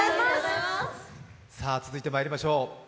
続いてまいりましょう。